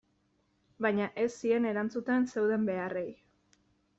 Baina ez zien erantzuten zeuden beharrei.